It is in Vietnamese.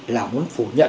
là muốn phủ nhận